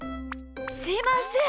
すいません。